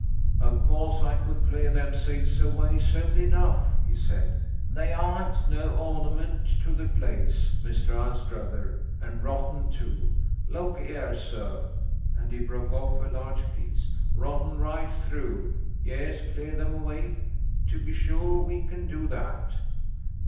'Of course I could clear them seats away soon enough,' he said. 'They aren't no ornament to the place, Mr Anstruther, and rotten too. Look 'ere, sir,' and he broke off a large piece 'rotten right through. Yes, clear them away, to be sure we can do that.'